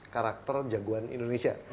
seribu seratus karakter jagoan indonesia